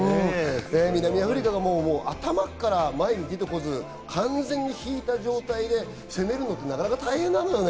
南アフリカが頭から前に出てこず、完全に引いた状態で攻めるのもなかなか大変なのよね。